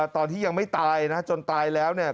ตอนที่ยังไม่ตายนะจนตายแล้วเนี่ย